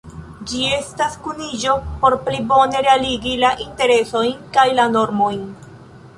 Ĝi estas kuniĝo por pli bone realigi la interesojn kaj la normojn.